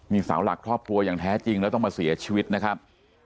มีเสาหลักครอบครัวอย่างแท้จริงแล้วต้องมาเสียชีวิตนะครับ